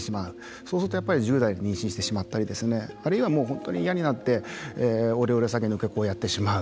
そうすると１０代で妊娠してしまったりあるいは本当に嫌になって、オレオレ詐欺の受け子をやってしまう。